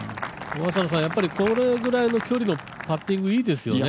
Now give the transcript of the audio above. やっぱりこれぐらいの距離のパッティングいいですよね。